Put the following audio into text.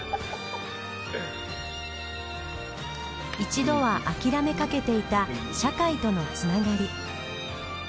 一度は諦めかけていた社会とのつながり。